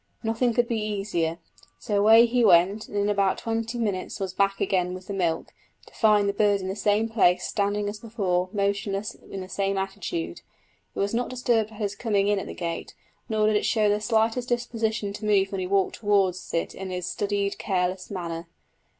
Nothing could be easier; so away he went and in about twenty minutes was back again with the milk, to find the bird in the same place standing as before motionless in the same attitude. It was not disturbed at his coming in at the gate, nor did it show the slightest disposition to move when he walked towards it in his studied careless manner.